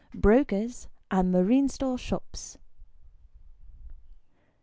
BROKERS' AND MARINE STORE SHOPS.